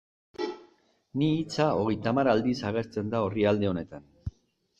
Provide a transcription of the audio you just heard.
Ni hitza hogeita hamar aldiz agertzen da orrialde honetan.